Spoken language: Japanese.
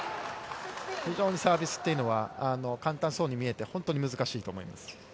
非常にサービスというのは、簡単そうに見えて難しいと思います。